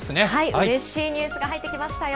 うれしいニュースが入ってきましたよ。